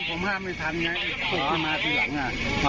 ผมห้ามไม่ทันไงตีมาตีหลังอ่ะ